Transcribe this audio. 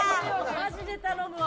マジで頼むわ。